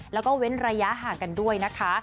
แล้วก็เว้นระยะห่างกันด้วยนะคะ